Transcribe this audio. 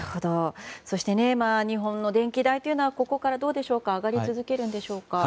そして、日本の電気代というのは、ここから上がり続けるんでしょうか。